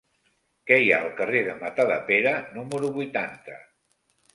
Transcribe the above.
Què hi ha al carrer de Matadepera número vuitanta?